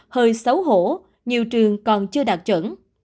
hơi xấu hổ nhiều trường còn chưa đạt chẩn